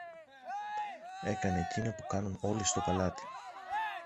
Έκανε εκείνα που κάνουν όλοι στο παλάτι.